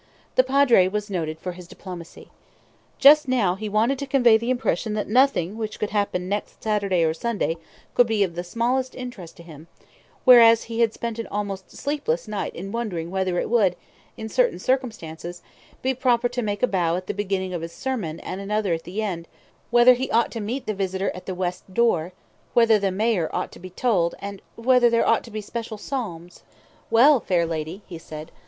The Padre was noted for his diplomacy. Just now he wanted to convey the impression that nothing which could happen next Saturday or Sunday could be of the smallest interest to him; whereas he had spent an almost sleepless night in wondering whether it would, in certain circumstances, be proper to make a bow at the beginning of his sermon and another at the end; whether he ought to meet the visitor at the west door; whether the mayor ought to be told, and whether there ought to be special psalms. ... "Well, lady fair," he said.